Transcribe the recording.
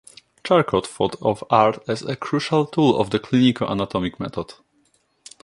Charcot thought of art as a crucial tool of the clinicoanatomic method.